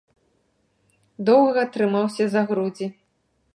Доўга трымаўся за грудзі.